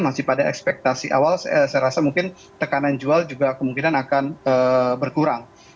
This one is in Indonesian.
masih pada ekspektasi awal saya rasa mungkin tekanan jual juga kemungkinan akan berkurang